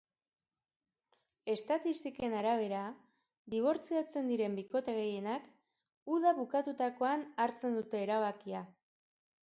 Estatistiken arabera, dibortziatzen diren bikote gehienak uda bukatutakoan hartzen dute erabakia.